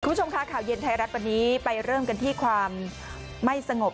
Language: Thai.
คุณผู้ชมค่ะข่าวเย็นไทยรัฐวันนี้ไปเริ่มกันที่ความไม่สงบ